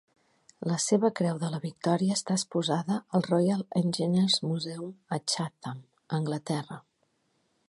La seva Creu de la Victòria està exposada al Royal Engineers Museum, a Chatham, Anglaterra.